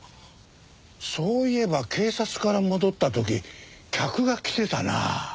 そういえば警察から戻った時客が来てたな。